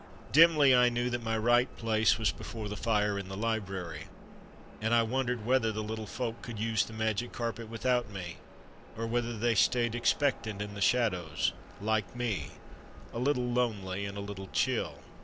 Dimly I knew that my right place was before the fire in the library, and I wondered whether the little folk could use the Magic Carpet without me, or whether they stayed expectant in the shadows, like me, a little lonely, and a little chill.